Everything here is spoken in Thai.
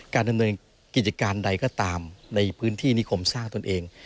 การดำเนินกิจการใดก็ตามในพื้นที่นิคมสร้างตนเอง